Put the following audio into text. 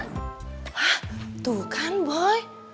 hah tuh kan boy